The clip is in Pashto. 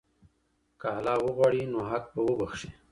که الله وغواړي نو حق به وبخښي.